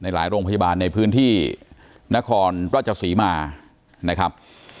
หลายโรงพยาบาลในพื้นที่นครราชศรีมานะครับ